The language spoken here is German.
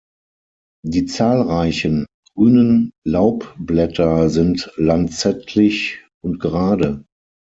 Die zahlreichen grünen Laubblätter sind lanzettlich und gerade.